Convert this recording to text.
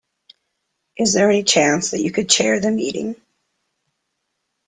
Is there any chance that you could chair the meeting?